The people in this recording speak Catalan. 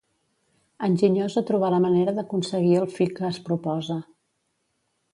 Enginyós a trobar la manera d'aconseguir el fi que es proposa.